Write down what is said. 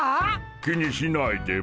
気にしないでモ。